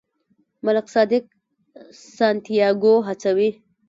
ملک صادق سانتیاګو هڅوي.